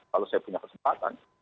kalau saya punya kesempatan